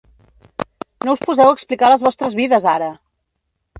No us poseu a explicar les vostres vides, ara!